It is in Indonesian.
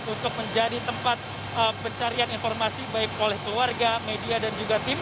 untuk menjadi tempat pencarian informasi baik oleh keluarga media dan juga tim